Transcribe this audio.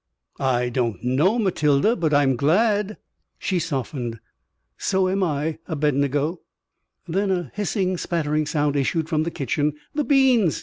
"I don't know, Matilda. But I'm glad." She softened. "So am I, Abednego." Then a hissing, spattering sound issued from the kitchen. "The beans!"